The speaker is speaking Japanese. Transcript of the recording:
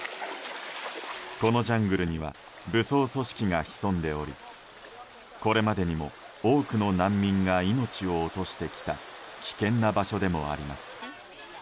このジャングルには武装組織が潜んでおりこれまでにも多くの難民が命を落としてきた危険な場所でもあります。